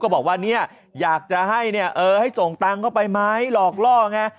บอกว่าเนี่ยอยากจะให้เนี่ยเออให้ส่งตังค์เข้าไปไหมหลอกล่อไง